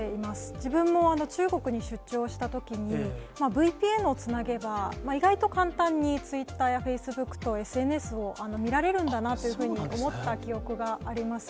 自分も中国に出張したときに、ＶＰＮをつなげば、意外と簡単に、ツイッターやフェイスブックや、ＳＮＳを見られるんだなっていう気がします。